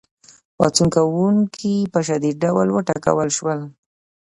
پاڅون کوونکي په شدید ډول وټکول شول.